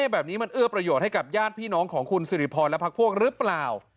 แบบนี้มันเอื้อประโยชน์ให้กับญาติพี่น้องของคุณสิริพรและพักพวกหรือเปล่า